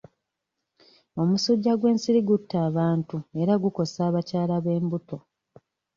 Omusujja gw'ensiri gutta abantu era gukosa abakyala b'embuto.